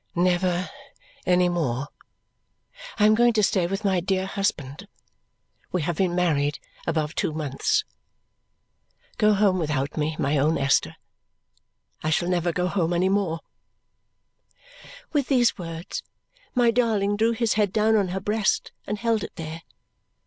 "Never any more. I am going to stay with my dear husband. We have been married above two months. Go home without me, my own Esther; I shall never go home any more!" With those words my darling drew his head down on her breast and held it there.